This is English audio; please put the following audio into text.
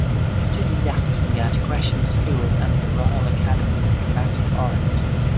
He studied acting at Gresham's School and the Royal Academy of Dramatic Art.